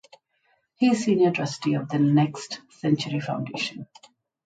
He is senior trustee of the Next Century Foundation.